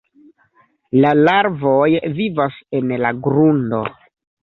La larvoj vivas en la grundo.